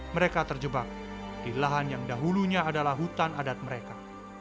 mereka terjebak di lahan yang dahulunya adalah hutan adat mereka